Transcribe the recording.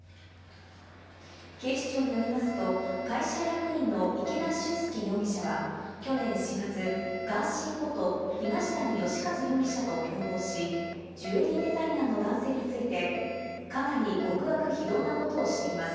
警視庁によりますと、会社役員の池田俊輔容疑者は、去年４月、ガーシーこと、東谷義和容疑者と共謀し、ジュエリーデザイナーの男性について、かなり極悪非道なことをしています。